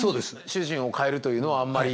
主人を変えるというのはあんまり。